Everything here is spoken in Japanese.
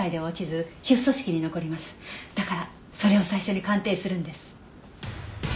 だからそれを最初に鑑定するんです。